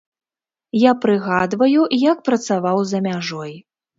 Я прыгадваю, як працаваў за мяжой.